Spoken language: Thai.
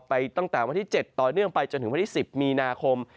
ตั้งแต่วันที่๗ต่อเนื่องไปจนถึงวันที่๑๐มีนาคม